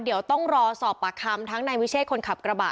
เดี๋ยวต้องรอสอบปากคำทั้งนายวิเชษคนขับกระบะ